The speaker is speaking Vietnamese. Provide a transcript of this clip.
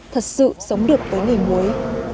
thật sự sống được với người muối